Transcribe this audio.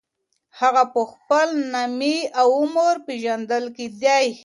هغه په خپل نامې او عمر پېژندل کېدی.